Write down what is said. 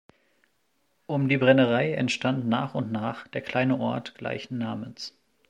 Um die Brennerei entstand nach und nach der kleine Ort gleichen Namens.